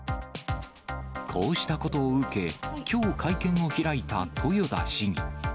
こうしたことを受け、きょう会見を開いた豊田市議。